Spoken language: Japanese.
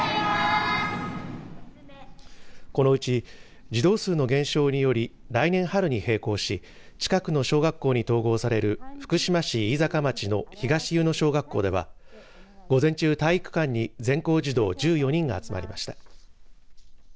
このうち、児童数の減少により来年春に閉校し近くの小学校に統合される福島市飯坂町の東湯野小学校では午前中、体育館に全校児童１４人が集まりました。